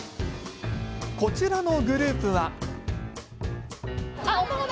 こちらのグループは。